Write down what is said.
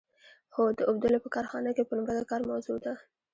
هو د اوبدلو په کارخانه کې پنبه د کار موضوع ده.